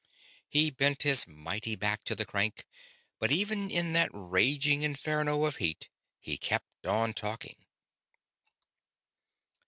He bent his mighty back to the crank, but even in that raging inferno of heat he kept on talking.